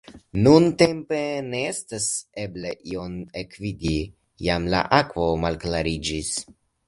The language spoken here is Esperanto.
Nuntempe ne estas eble ion ekvidi, jam la akvo malklariĝis.